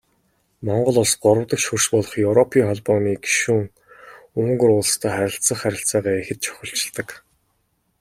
Монгол Улс гуравдагч хөрш болох Европын Холбооны гишүүн Унгар улстай харилцах харилцаагаа ихэд чухалчилдаг.